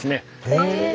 へえ。